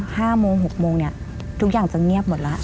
๕๖ปีทุกอย่างจะเงียบหมดแล้ว